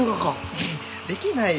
いやできないよ。